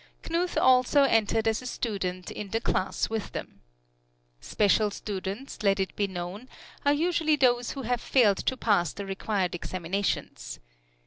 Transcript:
Knuth also entered as a student in the class with them. Special students, let it be known, are usually those who have failed to pass the required examinations.